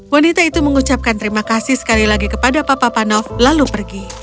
wanita itu mengucapkan terima kasih sekali lagi kepada papa panov lalu pergi